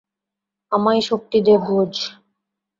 আমায় শক্তি দে, গুজ।